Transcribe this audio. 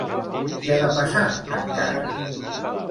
Què ha de passar encara?